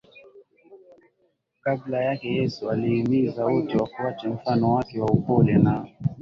Kabla yake Yesu alihimiza wote wafuate mfano wake wa upole na